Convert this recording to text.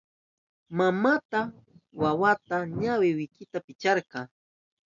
Mamanka wawanpa ñawi wikita picharka.